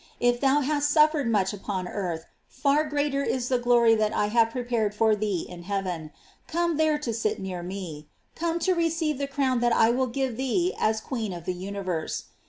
If thou hast suffered much upon earth, far greater is the glory that I have prepared for thee in heaven. Come there to sit near me; come to receive the crown that I will give thee as queen of the universe.